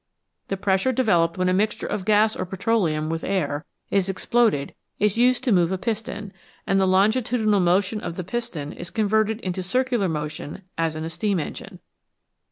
The pressure developed when a mixture of gas or petroleum with air is exploded is used to move a piston, and the longitudinal motion of the piston is converted into circular motion as in a steam engine.